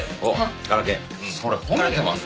それ褒めてます？